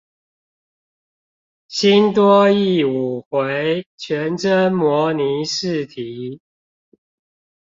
新多益五回全真模擬試題